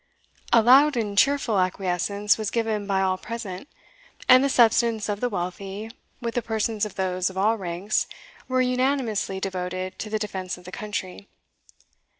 A loud and cheerful acquiescence was given by all present, and the substance of the wealthy, with the persons of those of all ranks, were unanimously devoted to the defence of the country.